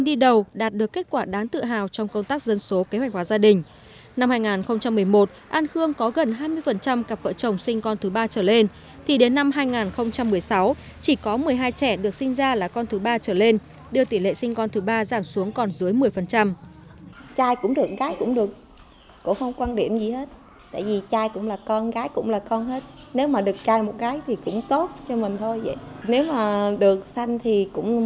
trước đây xã an khương huyện hớn quản nổ lên với tỷ lệ sinh con thứ ba cao ở bình phước